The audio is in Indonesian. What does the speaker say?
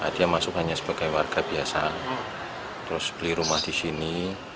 dia masuk hanya sebagai warga biasa terus beli rumah di sini